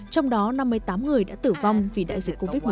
trong đó năm mươi tám người đã tử vong vì đại dịch covid một mươi chín